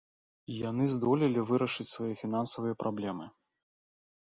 Яны здолелі вырашыць свае фінансавыя праблемы.